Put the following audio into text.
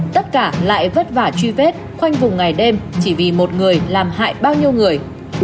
tất cả lại vất vả truy vết khoanh vùng ngày đêm chỉ vì một người làm hại bao nhiêu người